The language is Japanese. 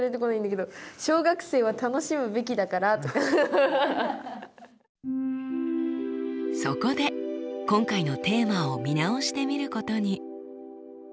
めっちゃそこで今回のテーマを見直してみることに。